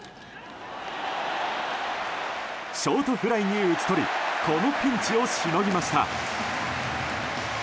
ショートフライに打ち取りこのピンチをしのぎました。